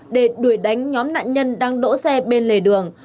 để đuổi đánh nhóm nạn nhân đang đỗ xe bên lề đường